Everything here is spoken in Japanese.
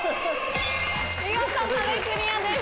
見事壁クリアです。